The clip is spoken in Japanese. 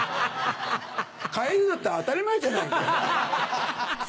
カエルだったら当たり前じゃないか。